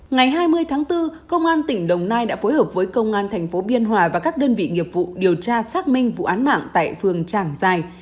ngày hai mươi tháng bốn công an tỉnh đồng nai đã phối hợp với công an thành phố biên hòa và các đơn vị nghiệp vụ điều tra xác minh vụ án mạng tại phường trảng giài